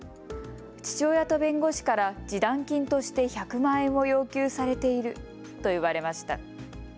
父親と弁護士から示談金として１００万円を要求されていると言われました。